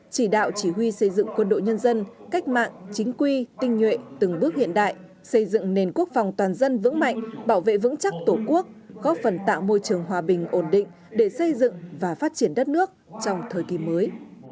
chỉ đạo chỉ huy xây dựng quân đội nhân dân cách mạng chính quy tinh nhuệ từng bước hiện đại xây dựng nền quốc phòng toàn dân vững mạnh bảo vệ vững chắc tổ quốc góp phần tạo môi trường hòa bình ổn định để xây dựng và phát triển đất nước trong thời kỳ mới